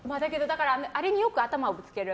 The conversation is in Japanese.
あれによく頭をぶつける。